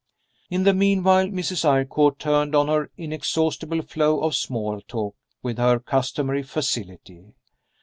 In the meanwhile, Mrs. Eyrecourt turned on her inexhaustible flow of small talk with her customary facility.